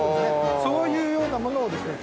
そういうようなものをですね